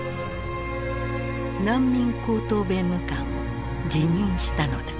難民高等弁務官を辞任したのだ。